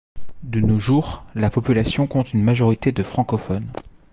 De nos jours, la population compte une majorité de francophones.